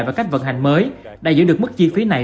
và cách vận hành mới đã giữ được mức chi phí này